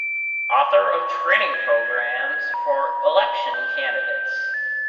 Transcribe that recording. Author of training programs for election candidates.